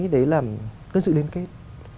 đấy là tất sự liên kết